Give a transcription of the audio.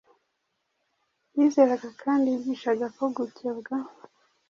yizeraga kandi yigishaga ko gukebwa